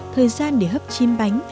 thời gian để hấp chim bánh